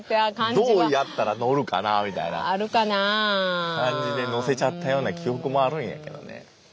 どうやったら乗るかなみたいな感じで乗せちゃったような記憶もあるんやけどね。